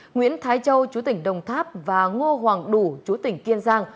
nguyễn thái châu chú tỉnh đồng tháp và ngô hoàng đủ chú tỉnh kiên giang